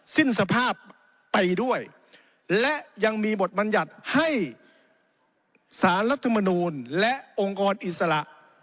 สิ้นสภาพไปด้วยและยังมีบทบัญญัติให้สารรัฐมนูลและองค์กรอิสระ